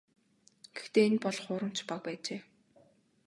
Гэхдээ энэ бол хуурамч баг байжээ.